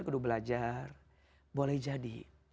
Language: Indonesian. kedu belajar boleh jadi